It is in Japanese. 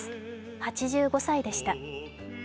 ８５歳でした。